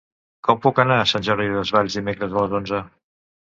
Com puc anar a Sant Jordi Desvalls dimecres a les onze?